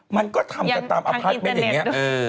มันก็ทำกันตามอัพพลัทธิ์ไปอย่างเนี่ย